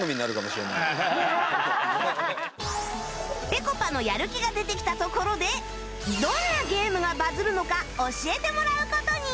ぺこぱのやる気が出てきたところでどんなゲームがバズるのか教えてもらう事に